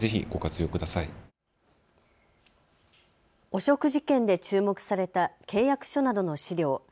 汚職事件で注目された契約書などの資料。